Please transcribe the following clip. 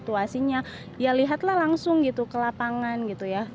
atau mau melihat lagi situasinya ya lihatlah langsung gitu ke lapangan gitu ya